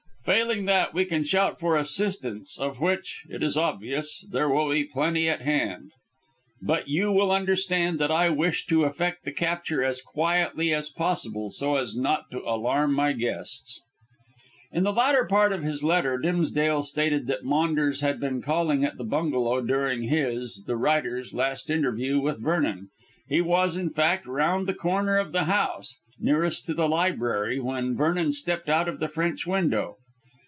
Failing that, we can shout for assistance, of which, it is obvious, there will be plenty to hand. But, you will understand that I wish to effect the capture as quietly as possible, so as not to alarm my guests." In the latter part of his letter Dimsdale stated that Maunders had been calling at the bungalow during his the writer's last interview with Vernon. He was, in fact, round the corner of the house, nearest to the library when Vernon stepped out of the French window.